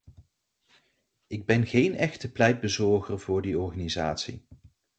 Ik ben geen echte pleitbezorger voor die organisatie.